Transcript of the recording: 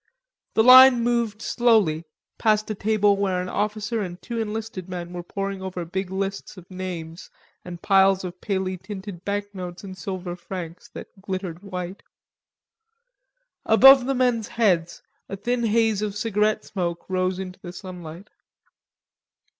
The line moved slowly, past a table where an officer and two enlisted men sat poring over big lists of names and piles of palely tinted banknotes and silver francs that glittered white. Above the men's heads a thin haze of cigarette smoke rose into the sunlight.